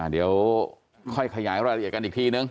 เดี๋ยวค่อยขยายรายละเอียดกันอีกทีนึง